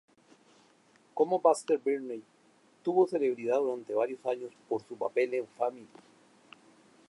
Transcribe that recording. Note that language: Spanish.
Como Baxter-Birney, tuvo celebridad durante varios años por su papel en "Family".